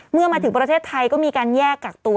เมื่อมาถึงประเทศไทยก็มีการแยกกักตัว